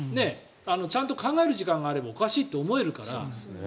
ちゃんと考える時間があればおかしいって思えるから。